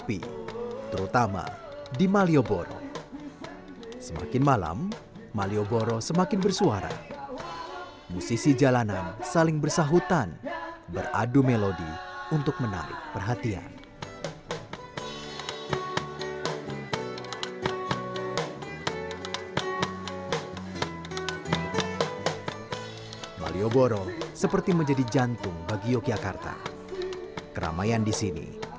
itu banyak dulu yang teman teman studi studi